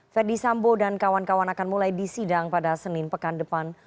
ferdi sambo dan kawan kawan akan mulai disidang pada senin pekan depan